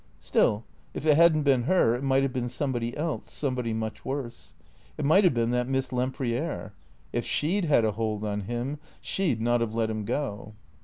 Still, if it had n't been her, it might have been somebody else, somebody much worse. It might have been that Miss Lempriere. If she 'd had a hold on him, she 'd not have let him go.